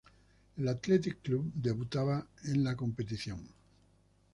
El Athletic Club debutaba en la competición.